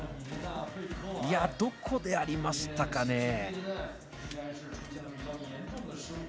どこでやりましたかね。